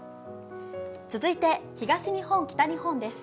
続いて、東日本、北日本です。